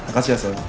makasih ya sel